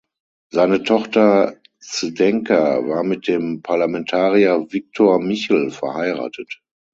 Seine Tochter Zdenka war mit dem Parlamentarier Viktor Michl verheiratet.